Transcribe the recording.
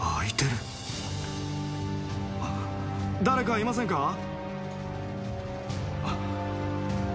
誰かいませんか？